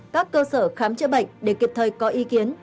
các cơ sở khám chữa bệnh để kịp thời có ý kiến